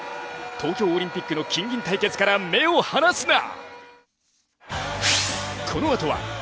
東京オリンピックの金銀対決から目を離すな。